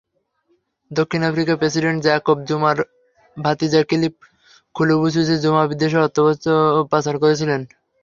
দক্ষিণ আফ্রিকার president Jacob জুমার ভাতিজা ক্লিভ খুলুবুসুজে জুমা বিদেশে অর্থ পাচার করেছিলেন।